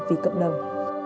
vì cộng đồng